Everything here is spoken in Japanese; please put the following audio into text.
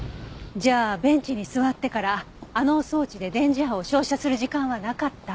じゃあベンチに座ってからあの装置で電磁波を照射する時間はなかった。